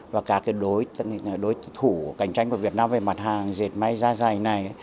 và cả đối thủ cạnh tranh của việt nam về mặt hàng dẹp may da dày này